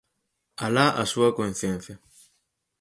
Alá a súa conciencia.